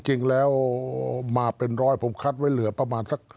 จริงแล้วมาเป็นร้อยผมคัดไว้เหลือประมาณสัก